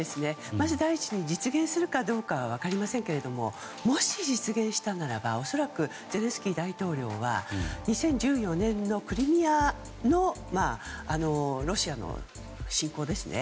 まず第一に実現するかどうかは分かりませんがもし実現したならば恐らくゼレンスキー大統領は２０１４年のクリミアのロシアの侵攻ですね。